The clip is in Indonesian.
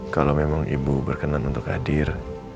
kalau memang ibu berkenan untuk hadir